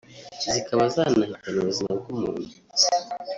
zikaba zanahitana ubuzima bw’umuntu